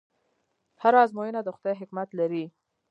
هره ازموینه د خدای حکمت لري.